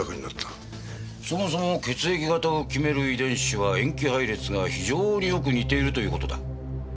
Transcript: そもそも血液型を決める遺伝子は塩基配列が非常によく似ているという事だ。